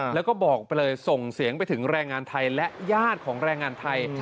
แล้วก็บอกไปเลยส่งเสียงไปถึงแรงงานไทยและญาติของแรงงานไทย